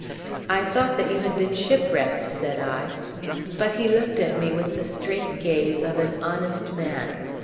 "I thought that you had been shipwrecked!" said I. But he looked at me with the straight gaze of an honest man.